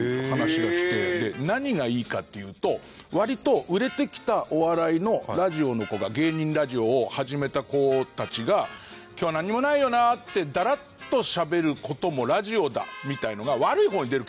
何がいいかっていうと割と売れてきたお笑いのラジオの子が芸人ラジオを始めた子たちが「今日はなんにもないよな」ってだらっとしゃべる事もラジオだみたいなのが。